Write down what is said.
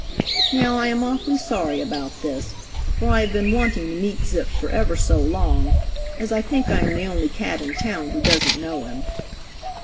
Now I am awfully sorry about this, for I have been wanting to meet Zip for ever so long, as I think I am the only cat in town who doesn't know him."